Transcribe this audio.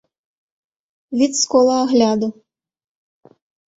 Від з кола агляду.